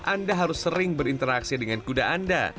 anda harus sering berinteraksi dengan kuda anda